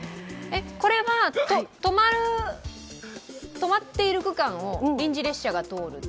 止まっている区間を臨時列車が通る？